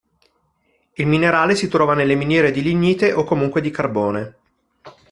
Il minerale si trova nelle miniere di lignite o comunque di carbone.